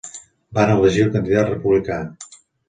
Van elegir el candidat republicà.